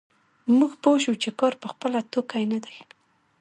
موږ پوه شوو چې کار په خپله توکی نه دی